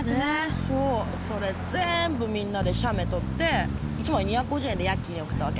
それぜーんぶみんなで写メ撮って１枚２５０円でヤッキーに送ったわけ。